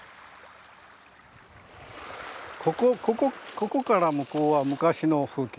ここから向こうは昔の風景。